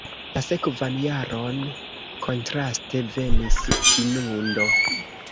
La sekvan jaron, kontraste, venis inundo.